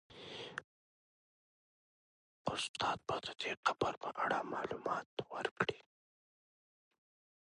استاد به د دې قبر په اړه معلومات ورکړي وي.